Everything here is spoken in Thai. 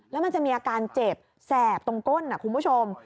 แล้วมันจะมีอาการเจ็บแสบตรงก้นคุณผู้ชม